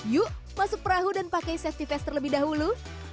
yuk masuk perahu dan pakai safety fest terlebih dahulu